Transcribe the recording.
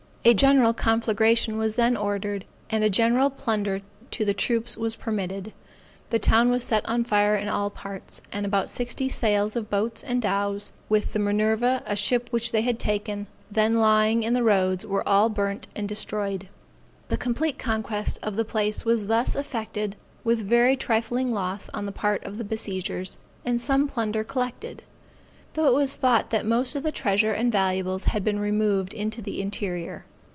A general conflagration was then ordered, and a general plunder to the troops was permitted. The town was set on fire in all parts, and about sixty sail of boats and dows, with the Minerva, a ship which they had taken, then lying in the roads were all burnt and destroyed. The complete conquest of the place was thus effected with very trifling loss on the part of the besiegers, and some plunder collected; though it was thought that most of the treasure and valuables had been removed into the interior.